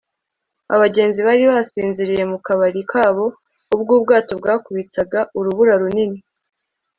abagenzi bari basinziriye mu kabari kabo ubwo ubwato bwakubitaga urubura runini